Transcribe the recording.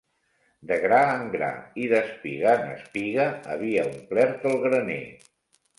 De gra en gra i d'espiga en espiga havia omplert el graner